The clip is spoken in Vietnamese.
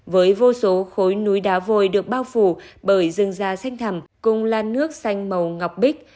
với vô số khối núi đá vôi được bao phủ bởi rừng già xanh thầm cùng lan nước xanh màu ngọc bích